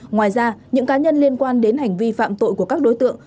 ngoài ra những cá nhân liên quan đến hành vi phạm tội của các đối tượng